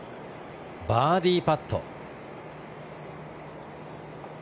バーディーパット。